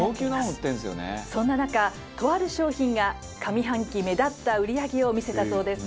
そんな中とある商品が上半期目立った売り上げを見せたそうです。